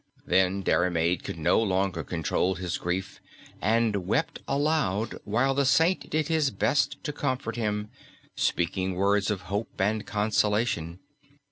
Then Diarmaid could no longer control his grief and wept aloud while the Saint did his best to comfort him, speaking words of hope and consolation.